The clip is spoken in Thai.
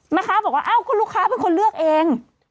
แม่ค้าบอกว่าอ้าวคุณลูกค้าเป็นคนเลือกเอง